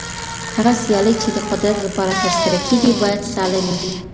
هغه سيالۍ چي د قدرت لپاره ترسره کېږي بايد سالمي وي.